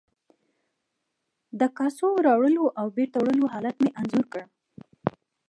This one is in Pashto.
د کاسو راوړلو او بیرته وړلو حالت مې انځور کړ.